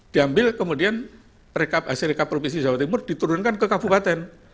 diambil kemudian rekap hasil rekap provinsi jawa timur diturunkan ke kabupaten